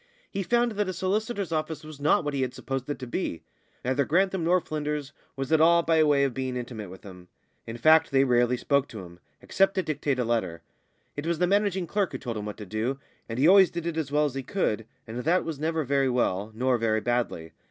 He found that a solicitor's office was not what he had supposed it to be. Neither Grantham nor Flynders was at all by way of being intimate with him; in fact, they rarely spoke to him, except to dictate a letter; it was the managing clerk who told him what to do, and he always did it as well as he could, and that was never very well, nor very badly.